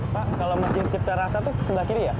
pak kalau masjid sang cipta rasa itu sebelah kiri ya